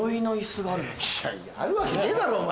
いやいやあるわけねえだろお前。